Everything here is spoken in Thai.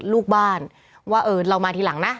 ลูกบ้านว่าเออเรามาทีหลังนะ